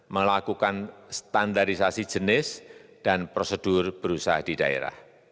melakukan standarisasi jenis dan prosedur berusaha di daerah